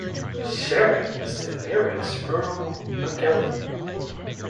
Sharan is the nearest rural locality.